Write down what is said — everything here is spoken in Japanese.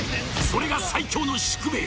それが最強の宿命。